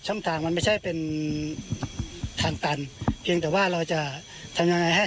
ช่องทางมันไม่ใช่เป็นทางตันเพียงแต่ว่าเราจะทำยังไงให้